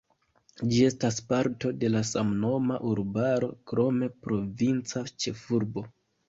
Ĝi estas parto de la samnoma urbaro, krome provinca ĉefurbo.